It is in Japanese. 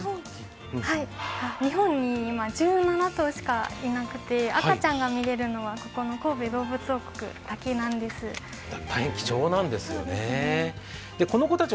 日本に今１７頭しかいなくて、赤ちゃんが見れるのはここの神戸どうぶつ王国だけなんです。